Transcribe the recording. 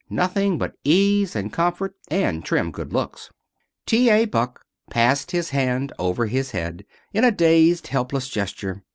Nothing but ease, and comfort, and trim good looks." T. A. Buck passed his hand over his head in a dazed, helpless gesture.